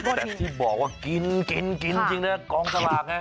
แต่ที่บอกว่ากินคือกร้องสระเนี่ย